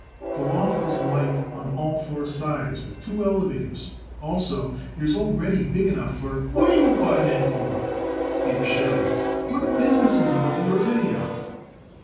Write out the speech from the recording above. The loft is light on all four sides, with two elevators. Also, it is already big enough for " "What are you butting in for?" Abe shouted. "What business is it of yours, anyhow?"